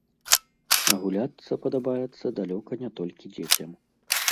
А гуляцца падабаецца далёка не толькі дзецям.